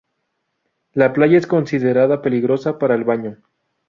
La playa es considerada peligrosa para el baño.